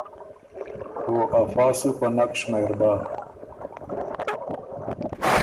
او افا سو په نک شمېر بَۀ۔